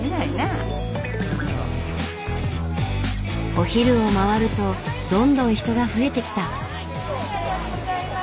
お昼を回るとどんどん人が増えてきた。